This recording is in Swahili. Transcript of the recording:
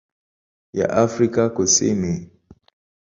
ya Afrika Kusini.